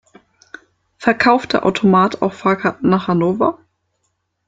Verkauft der Automat auch Fahrkarten nach Hannover?